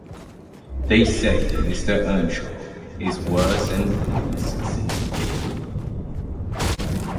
They say Mr. Earnshaw is worse and worse since he came.